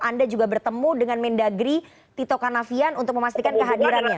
anda juga bertemu dengan mendagri tito canavian untuk memastikan kehadiran beliau